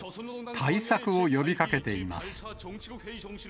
対策を呼びかけています。